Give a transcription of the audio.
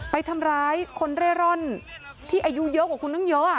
ไปทำร้ายคนเร่ร่อนที่อายุเยอะกว่าคุณตั้งเยอะ